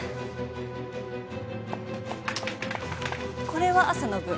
これは朝の分。